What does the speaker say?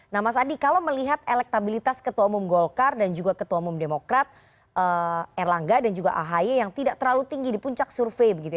nah mas adi kalau melihat elektabilitas ketua umum golkar dan juga ketua umum demokrat erlangga dan juga ahy yang tidak terlalu tinggi di puncak survei